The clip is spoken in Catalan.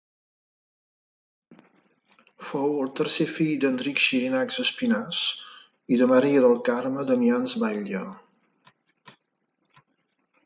Fou el tercer fill d'Enric Xirinacs Espinàs i de Maria del Carme Damians Batlle.